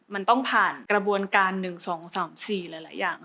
มันต้องผ่านกระบวนการ๑๒๓๔หลายอย่าง